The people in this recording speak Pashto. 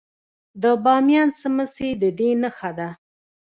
د بامیان سمڅې د دې نښه ده